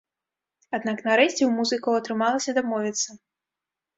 Аднак нарэшце ў музыкаў атрымалася дамовіцца.